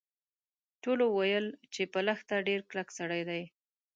ټولو ویل چې په لښته ډیر کلک سړی دی.